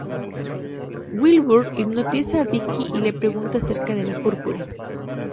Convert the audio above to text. Wilbur hipnotiza a Vickie y le pregunta acerca de la púrpura.